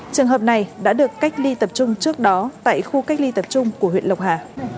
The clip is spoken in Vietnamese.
trường hợp này đã được cách ly tập trung trước đó tại khu cách ly tập trung của huyện lộc hà